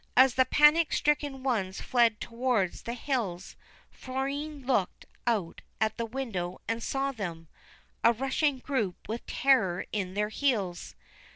As the panic stricken ones fled towards the hills, Florine looked out at the window and saw them, a rushing group with terror in their heels.